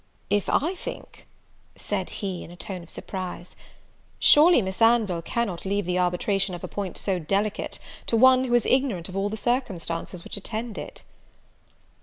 "If I think!" said he, in a tone of surprise; "surely Miss Anville cannot leave the arbitration of a point so delicate to one who is ignorant of all the circumstances which attend it?"